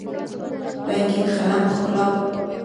رنګین قلم ښکلا ورکوي.